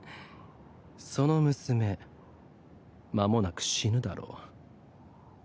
その娘間もなく死ぬだろう。